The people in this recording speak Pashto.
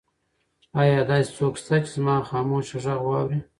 ایا داسې څوک شته چې زما خاموشه غږ واوري؟